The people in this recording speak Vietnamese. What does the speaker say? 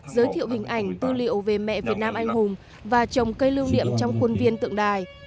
giới thiệu hình ảnh tư liệu về mẹ việt nam anh hùng và trồng cây lưu niệm trong khuôn viên tượng đài